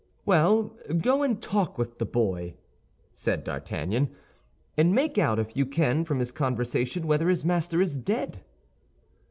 "Well, go and talk with the boy," said D'Artagnan, "and make out if you can from his conversation whether his master is dead."